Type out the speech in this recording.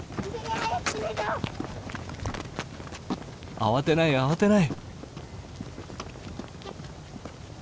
慌てない慌てない。